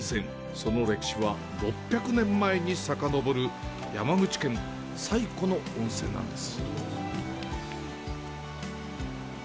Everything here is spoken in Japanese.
その歴史は、６００年前にさかのぼる、山口県最古の温泉なんです。